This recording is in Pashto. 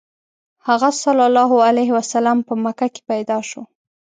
هغه ﷺ په مکه کې پیدا شو.